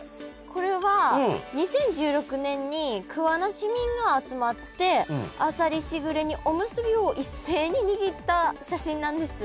これは２０１６年に桑名市民が集まってあさりしぐれ煮おむすびを一斉ににぎった写真なんです。